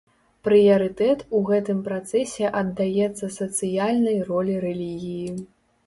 Прыярытэт у гэтым працэсе аддаецца сацыяльнай ролі рэлігіі.